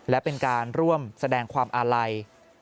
และเป็นการร่วมแสดงความอาลัย